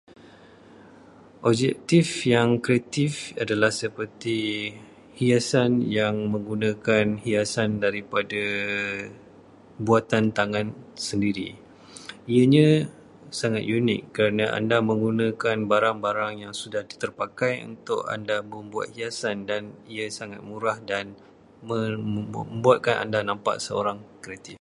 Objektif yang kreatif adalah seperti hiasan yang menggunakan hiasan daripada buatan tangan sendiri. Ianya sangat unik kerana anda menggunakan barang-barang yang sudah dipakai untuk anda membuat hiasan dan ia sangat mudah dan membuatkan anda nampak seperti seorang yang kreatif.